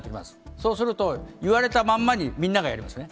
そうすると、言われたまんまにみんながやりますね。